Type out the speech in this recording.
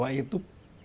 saya masih optimis bahwa